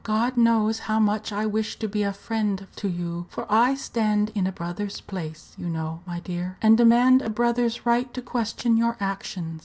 God knows how much I wish to be a friend to you, for I stand in a brother's place, you know, my dear, and demand a brother's right to question your actions.